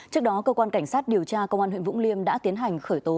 trước đó cơ quan cảnh sát điều tra công an huyện vũng liêm đã tiến hành khởi tố